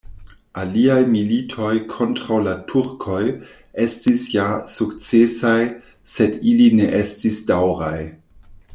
Aliaj militoj kontraŭ la turkoj estis ja sukcesaj, sed ili ne estis daŭraj.